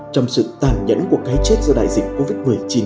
trong sự tàn nhẫn của cái chết do đại dịch covid một mươi chín